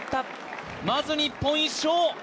まず日本、１勝！